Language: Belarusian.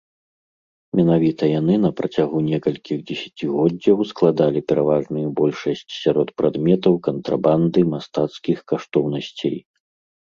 Менавіта яны на працягу некалькіх дзесяцігоддзяў складалі пераважную большасць сярод прадметаў кантрабанды мастацкіх каштоўнасцей.